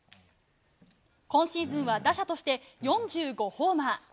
今シーズンは打者として４５ホーマー。